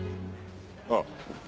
ああ。